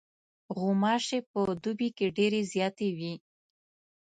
غوماشې په دوبي کې ډېرې زیاتې وي.